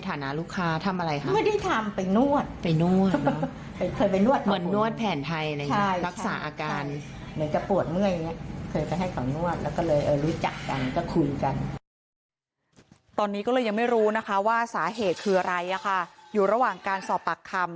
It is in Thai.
ตอนนี้ก็เลยยังไม่รู้นะคะว่าสาเหตุคืออะไรอยู่ระหว่างการสอบปากคำ